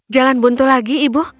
jalan buntu lagi ibu